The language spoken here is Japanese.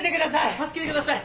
助けてください